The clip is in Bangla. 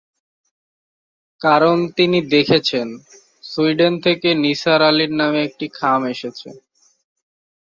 কারণ তিনি দেখেছেন, সুইডেন থেকে নিসার আলির নামে একটি খাম এসেছে।